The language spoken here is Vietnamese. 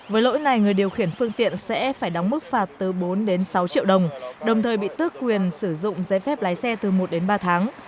với lỗi này người điều khiển phương tiện sẽ phải đóng mức phạt từ bốn đến sáu triệu đồng đồng thời bị tước quyền sử dụng giấy phép lái xe từ một đến ba tháng